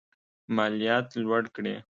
مالیات لوړ کړي.